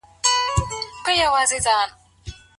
آیا پر پلرونو د اولادونو ښه روزنه فرض ده؟